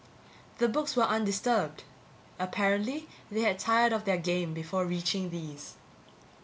The books were undisturbed. Apparently they had tired of their game before reaching these.